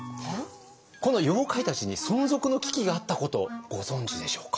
この妖怪たちに存続の危機があったことご存じでしょうか？